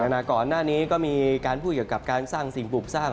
ก่อนหน้านี้ก็มีการพูดเกี่ยวกับการสร้างสิ่งปลูกสร้าง